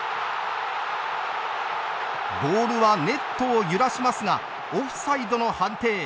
ボールはネットを揺らしますがオフサイドの判定。